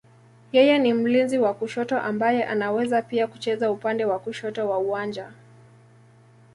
Yeye ni mlinzi wa kushoto ambaye anaweza pia kucheza upande wa kushoto wa uwanja.